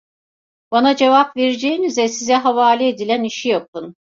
Bana cevap vereceğinize size havale edilen işi yapın!